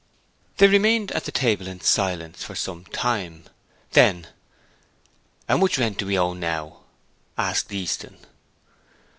They remained at the table in silence for some time: then, 'How much rent do we owe now?' asked Easton.